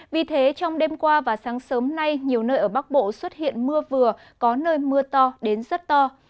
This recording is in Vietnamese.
vì thế trong đêm qua và sáng sớm nay nhiều nơi ở bắc bộ xuất hiện mưa vừa có nơi mưa to đến rất to